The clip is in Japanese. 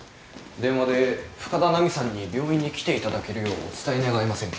電話で深田奈美さんに病院に来ていただけるようお伝え願えませんかと。